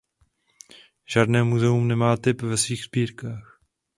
Žádné muzeum nemá typ ve svých sbírkách.